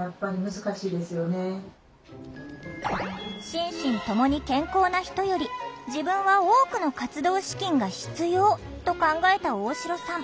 「心身ともに健康な人より自分は多くの活動資金が必要」と考えた大城さん。